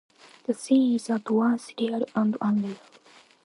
The scene is at once real and unreal.